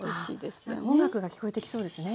なんか音楽が聞こえてきそうですね。